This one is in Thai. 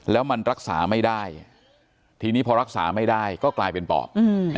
แล้วมันรักษาไม่ได้ทีนี้พอรักษาไม่ได้ก็กลายเป็นปอบ